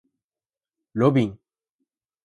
ロビン